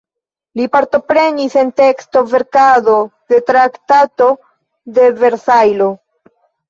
Li partoprenis en teksto-verkado de Traktato de Versajlo.